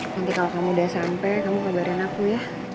nanti kalau kamu udah sampai kamu kabarin aku ya